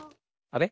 あれ？